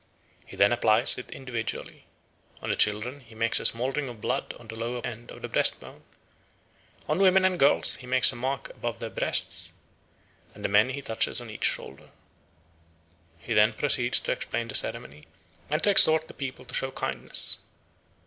He then applies it individually. On the children he makes a small ring of blood over the lower end of the breast bone, on women and girls he makes a mark above the breasts, and the men he touches on each shoulder. He then proceeds to explain the ceremony, and to exhort the people to show kindness.